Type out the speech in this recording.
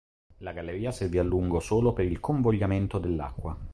La galleria servì a lungo solo per il convogliamento dell'acqua.